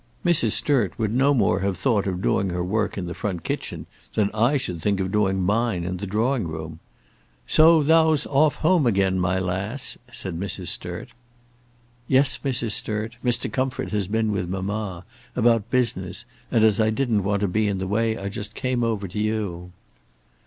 Mrs. Sturt would no more have thought of doing her work in the front kitchen than I should think of doing mine in the drawing room. "So thou's off home again, my lass," said Mrs. Sturt. "Yes, Mrs. Sturt. Mr. Comfort has been with mamma, about business; and as I didn't want to be in the way I just came over to you."